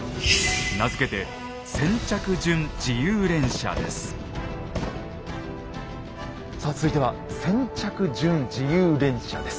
名付けてさあ続いては先着順自由連射です。